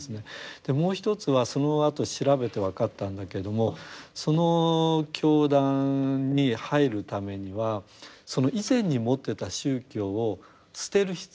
もう一つはそのあと調べて分かったんだけれどもその教団に入るためにはその以前に持ってた宗教を捨てる必要がない。